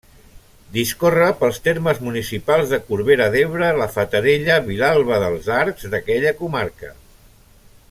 Discorre pels termes municipals de Corbera d'Ebre, la Fatarella, Vilalba dels Arcs, d'aquella comarca.